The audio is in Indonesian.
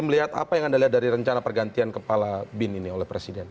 melihat apa yang anda lihat dari rencana pergantian kepala bin ini oleh presiden